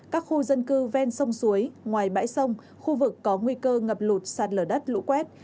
các khu dân cư ven sông suối ngoài bãi sông khu vực có nguy cơ ngập lụt sạt lở đất lũ quét